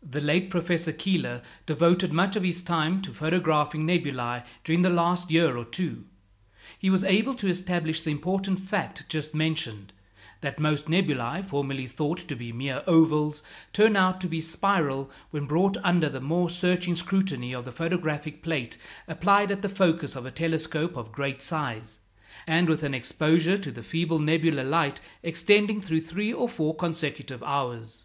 The late Professor Keeler devoted much of his time to photographing nebulæ during the last year or two. He was able to establish the important fact just mentioned, that most nebulæ formerly thought to be mere ovals, turn out to be spiral when brought under the more searching scrutiny of the photographic plate applied at the focus of a telescope of great size, and with an exposure to the feeble nebular light extending through three or four consecutive hours.